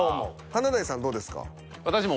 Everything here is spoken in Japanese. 華大さんどうですか？